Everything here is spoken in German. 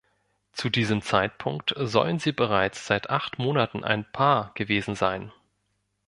Zu diesem Zeitpunkt sollen sie bereits seit acht Monaten ein Paar gewesen sein.